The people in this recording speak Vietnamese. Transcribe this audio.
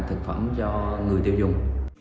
thực phẩm cho người tiêu dùng